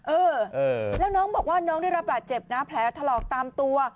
เออแล้วน้องบอกว่าน้องได้รับบาดเจ็บนะแผลถลอกตามตัว